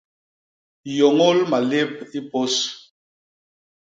Yôñôl malép i pôs.